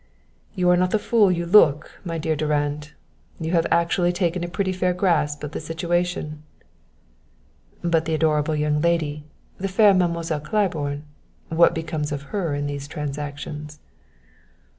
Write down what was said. "You are not the fool you look, my dear Durand. You have actually taken a pretty fair grasp of the situation." "But the adorable young lady, the fair Mademoiselle Claiborne, what becomes of her in these transactions?"